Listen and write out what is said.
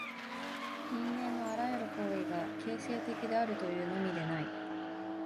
人間のあらゆる行為が形成的であるというのみでない。